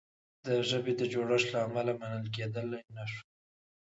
د ژبې د جوړښت له امله منل کیدلای نه شي.